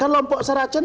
kan kelompok saracen